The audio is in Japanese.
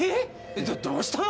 どどうしたの？